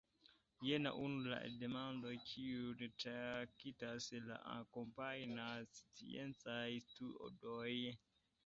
Jen unu el la demandoj, kiujn traktas la akompanaj sciencaj studoj.